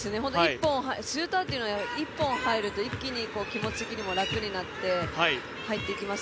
シューターというのは１本入ると一気に気持ち的にも楽になって入っていきます。